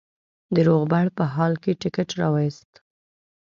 د روغبړ په حال کې ټکټ را وایست.